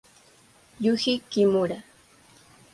Yuji Kimura